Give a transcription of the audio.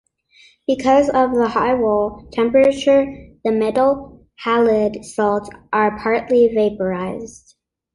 Because of the high wall temperature, the metal halide salts are partly vaporized.